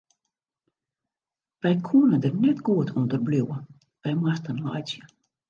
Wy koene der net goed ûnder bliuwe, wy moasten laitsje.